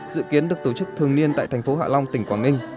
dự kiến được tổ chức thường niên tại thành phố hạ long tỉnh quảng ninh